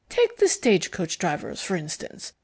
Take the stagecoach drivers, for instance.